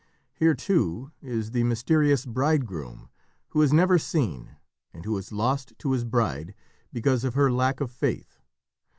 Here, too, is the mysterious bridegroom who is never seen and who is lost to his bride because of her lack of faith.